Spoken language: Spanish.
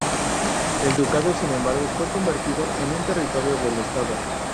El ducado sin embargo fue convertido en un territorio del estado.